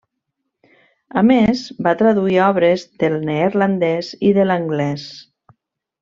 A més va traduir obres del neerlandès i de l'anglès.